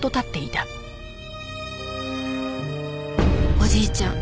おじいちゃん